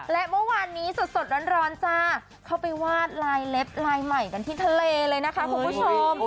และเมื่อวานนี้สดร้อนจ้าเข้าไปวาดลายเล็บลายใหม่กันที่ทะเลเลยนะคะคุณผู้ชม